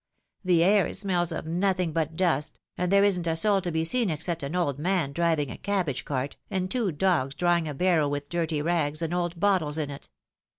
The air smells of nothing but dust, and there isn't a soul to be seen except an old man driving a cabbage cart, and two dogs drawing a barrow with dirty rags and old bottles in it."